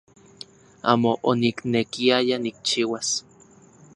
Amo oniknekiaya nikchiuas